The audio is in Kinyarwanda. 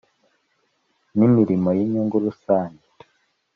n imirimo y inyungu rusange